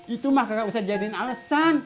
itu mah kagak usah jadiin alesan